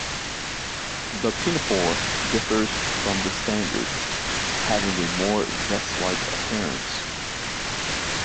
The pinafore differs from the standard, having a more vest-like appearance.